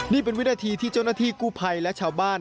นี่เป็นวินาทีที่เจ้าหน้าที่กู้ภัยและชาวบ้าน